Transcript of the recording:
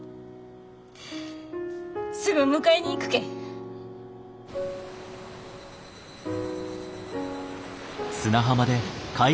すぐ迎えに行くけん。